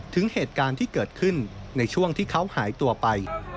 ถึงเหตุการณ์ที่เกิดขึ้นในช่วงที่เขาหายตัวไป